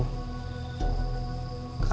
kalian akan kuberi satu ke satu